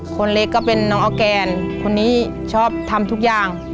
คนเล็กก็เป็นน้องออร์แกนคนนี้ชอบทำทุกอย่าง